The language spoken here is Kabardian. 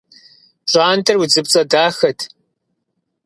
ПщӀантӀэр удзыпцӀэ дахэт.